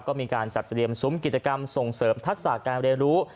ก็มีการจัดเตรียมซุ้มกิจกรรมส่งเสริมทักษะการเรียนรู้